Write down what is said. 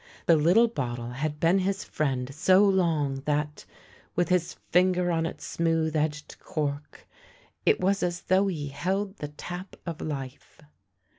The little bottle had been his friend so long that, with his finger on its smooth edged cork, it was as though he held the tap of life.